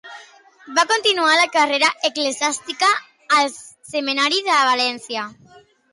Va continuar la carrera eclesiàstica al Seminari de València.